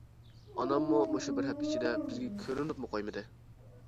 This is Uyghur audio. ئاناممۇ مۇشۇ بىر ھەپتە ئىچىدە بىزگە كۆرۈنۈپمۇ قويمىدى.